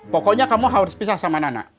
pokoknya kamu harus pisah sama nana